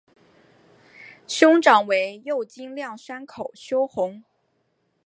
兄长为右京亮山口修弘。